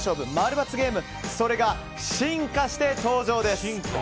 ○×ゲームそれが進化して登場です。